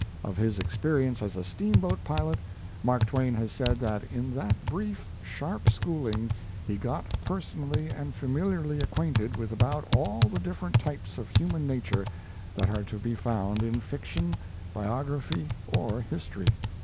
Of his experience as a steamboat pilot, Mark Twain has said that in that brief, sharp schooling he got personally and familiarly acquainted with about all the different types of human nature that are to be found in fiction, biography or history.